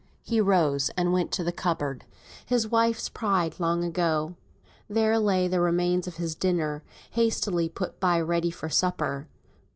He rose, and went to the cupboard (his wife's pride long ago). There lay the remains of his dinner, hastily put by ready for supper.